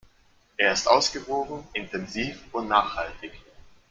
Er ist ausgewogen, intensiv und nachhaltig.